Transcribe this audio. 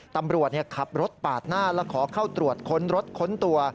ตำรวจขับรถปาดหน้าและขอเข้าตรวจค้นรถค้นตัว